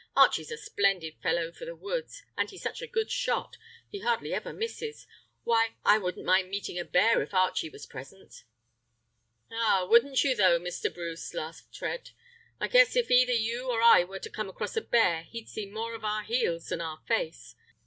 "Archie's a splendid fellow for the woods, and he's such a good shot; he hardly ever misses. Why, I wouldn't mind meeting a bear if Archie was present." "Ah, wouldn't you though, Mr. Bruce!" laughed Fred. "I guess if either you or I were to come across a bear he'd see more of our heels than our face.